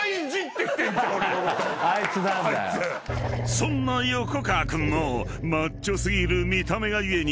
［そんな横川君もマッチョ過ぎる見た目が故に］